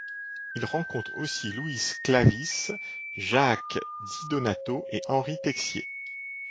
Il rencontre aussi Louis Sclavis, Jacques Di Donato et Henri Texier.